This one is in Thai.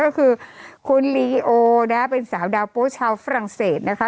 ก็คือคุณลีโอนะเป็นสาวดาวโป๊ชาวฝรั่งเศสนะคะ